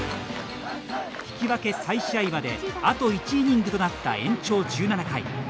引き分け再試合まであと１イニングとなった延長１７回。